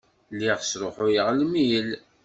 Lliɣ sṛuḥuyeɣ lmil.